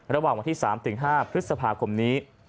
ระหว่างวันที่๓๕พฤษภาคมนี้